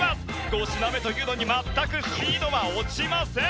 ５品目というのに全くスピードは落ちません。